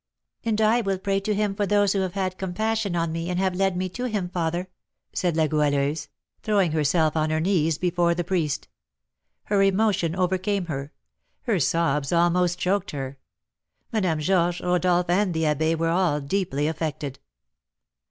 "And I will pray to him for those who have had compassion on me and have led me to him, father," said La Goualeuse, throwing herself on her knees before the priest. Her emotion overcame her; her sobs almost choked her. Madame Georges, Rodolph, and the abbé were all deeply affected.